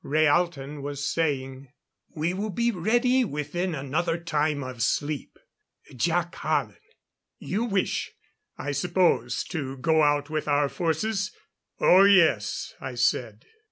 Rhaalton was saying: "We will be ready within another time of sleep. Jac Hallen, you wish, I suppose, to go out with our forces?" "Oh yes," I said.